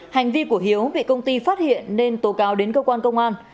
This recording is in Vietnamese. hành vi của hiếu bị công ty phát hiện nên tố cáo đến cơ quan công an